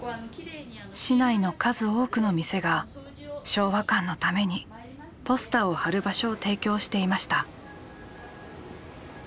市内の数多くの店が昭和館のためにポスターを貼る場所を提供していました。